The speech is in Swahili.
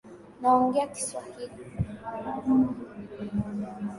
Naongea kiswahili